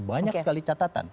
banyak sekali catatan